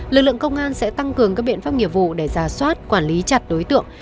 lực lượng công an sẽ tăng cường các biện pháp nghiệp vụ để giả soát quản lý chặt đối tượng